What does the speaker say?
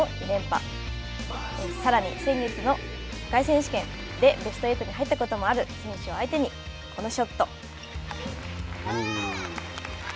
さらに先月の世界選手権でベスト８に入ったことのある選手を相手にこのショット。